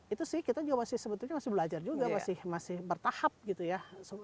itu sih kita juga masih sebetulnya masih belajar juga masih bertahap gitu ya